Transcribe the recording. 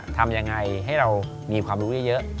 ทำยังไงให้เรามีความรู้เยอะ